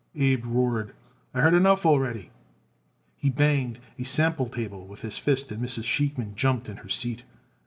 Abe roared. "I heard enough already." He banged a sample table with his fist and Mrs. Sheikman jumped in her seat.